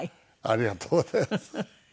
ありがとうございます。